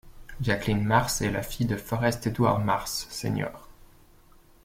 Jacqueline Mars est la fille de Forrest Edward Mars, Sr.